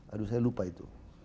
aduh saya lupa itu